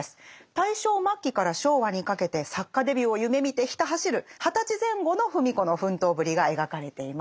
大正末期から昭和にかけて作家デビューを夢みてひた走る二十歳前後の芙美子の奮闘ぶりが描かれています。